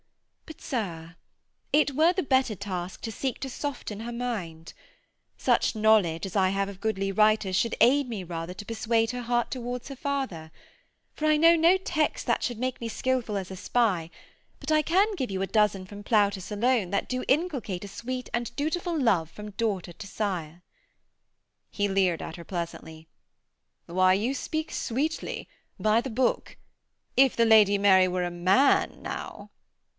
But, sir, it were the better task to seek to soften her mind. Such knowledge as I have of goodly writers should aid me rather to persuade her heart towards her father; for I know no texts that should make me skilful as a spy, but I can give you a dozen from Plautus alone that do inculcate a sweet and dutiful love from daughter to sire.' He leered at her pleasantly. 'Why, you speak sweetly, by the book. If the Lady Mary were a man now....'